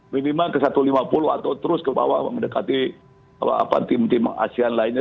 minimal ke satu ratus lima puluh atau terus ke bawah mendekati tim tim asean lainnya